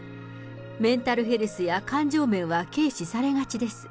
メンタルヘルスや感情面は軽視されがちです。